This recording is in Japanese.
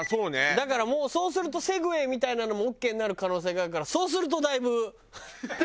だからもうそうするとセグウェイみたいなのもオーケーになる可能性があるからそうするとだいぶ。